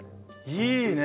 いいね。